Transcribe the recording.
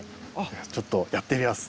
ちょっとやってみます。